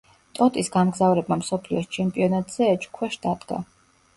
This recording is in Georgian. ტოტის გამგზავრება მსოფლიოს ჩემპიონატზე ეჭქვეშ დადგა.